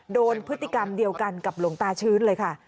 โดนพฤติกรรมเดียวกันกับหลวงตาชื้นเลยค่ะ